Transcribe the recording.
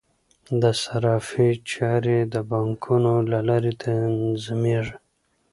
د صرافۍ چارې د بانکونو له لارې تنظیمیږي.